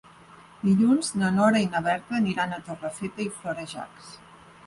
Dilluns na Nora i na Berta aniran a Torrefeta i Florejacs.